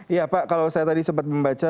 iya pak kalau saya tadi sempat membaca